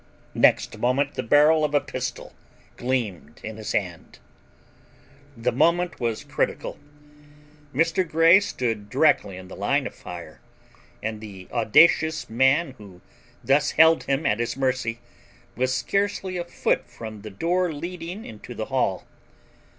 Next moment the barrel of a pistol gleamed in his hand. The moment was critical. Mr. Grey stood directly in the line of fire, and the audacious man who thus held him at his mercy was scarcely a foot from the door leading into the hall.